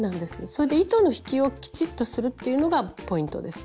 それで糸の引きをきちっとするっていうのがポイントです